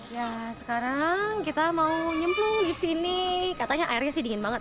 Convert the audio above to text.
ya sekarang kita mau nyemplung di sini katanya airnya sih dingin banget